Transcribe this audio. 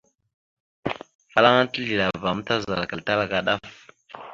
Afalaŋa tisleváma, tazalakal tal aka ɗaf.